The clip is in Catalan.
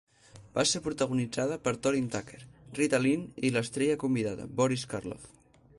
Va ser protagonitzada per Torin Thatcher, Rita Lynn i l'estrella convidada Boris Karloff.